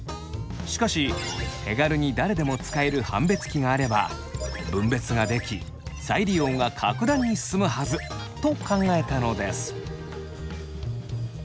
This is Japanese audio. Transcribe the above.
しかし手軽に誰でも使える判別機があれば分別ができ再利用が格段に進むはずと考えたのです。